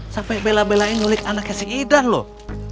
sampai bela belain mulit anaknya si idan loh